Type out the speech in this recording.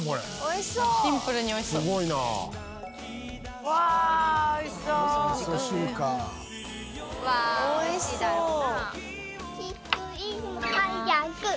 うわおいしいだろうなあ。